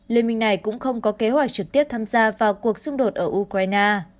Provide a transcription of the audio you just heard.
liên minh này cũng không có kế hoạch trực tiếp tham gia vào cuộc xung đột ở ukraine